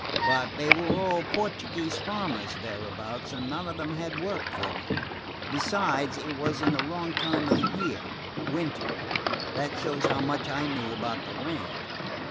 But they were all Portuguese farmers thereabouts, and none of them had work for me. Besides, it was in the wrong time of the year winter. That shows how much I knew about the land.